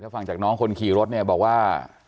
ฟังจากน้องคนขี่รถเนี่ยบอกว่า